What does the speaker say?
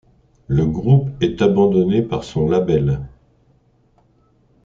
Le groupe est abandonné par son label.